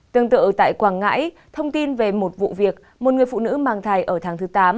tương tự tại quảng ngãi thông tin về một vụ việc một người phụ nữ mang thai ở tháng thứ tám